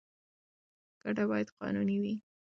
ګټه باید قانوني وي.